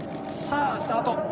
さぁスタート！